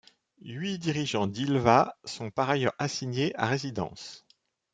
Huit dirigeants d'Ilva sont par ailleurs assignés à résidence.